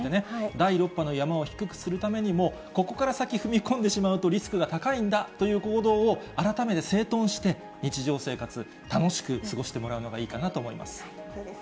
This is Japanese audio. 第６波の山を低くするためにも、ここから先、踏み込んでしまうとリスクが高いんだという行動を、改めて整とんして、日常生活、楽しく過ごしてもらうのがいいかなと思います。